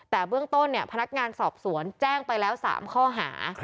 แต่เบื้องต้นพนักงานสอบสวนแจ้งไปแล้ว๓ข้อหา